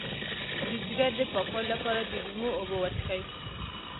د ځیګر د پاکوالي لپاره د لیمو اوبه وڅښئ